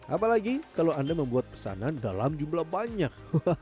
apalagi kalau anda membuat pesanan dalam jumlah banyak